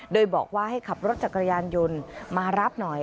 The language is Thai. โดยบอกว่าให้ขับรถจักรยานยนต์มารับหน่อย